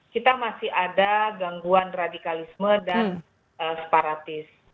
kita masih ada gangguan radikalisme dan separatis